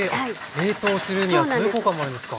冷凍するにはそういう効果もあるんですか。